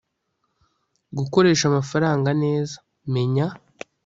gukoresha amafaranga neza menya